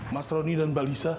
mas roni dan balisa